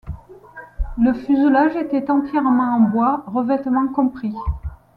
Le fuselage était entièrement en bois, revêtement compris.